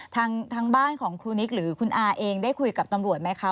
ทางบ้านของครูนิกหรือคุณอาเองได้คุยกับตำรวจไหมคะ